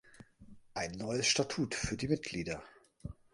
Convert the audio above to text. Ein neues Statut für die Mitglieder.